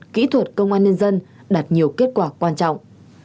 kỹ thuật công an nhân dân đạt nhiều kết quả quan trọng